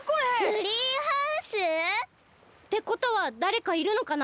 ツリーハウス！？ってことはだれかいるのかな？